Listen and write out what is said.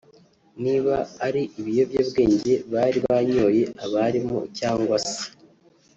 niba ari ibiyobyabwenge bari banyoye abarimo cyangwa se